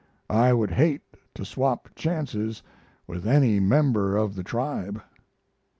I would hate to swap chances with any member of the tribe....